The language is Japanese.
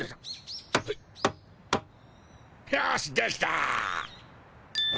よしできた！